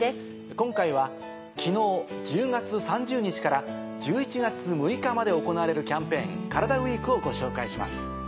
今回は昨日１０月３０日から１１月６日まで行われるキャンペーンカラダＷＥＥＫをご紹介します。